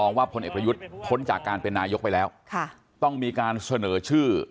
ว่าพลเอกประยุทธ์พ้นจากการเป็นนายกไปแล้วต้องมีการเสนอชื่อ